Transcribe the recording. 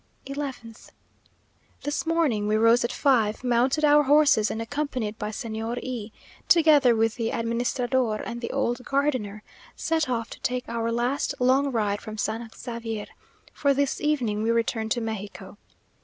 11th. This morning we rose at five, mounted our horses, and accompanied by Señor E , together with the administrador and the old gardener, set off to take our last long ride from San Xavier; for this evening we return to Mexico.